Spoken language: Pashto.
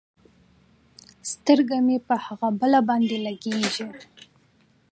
سترګې مې په هغه باندې لګېږي.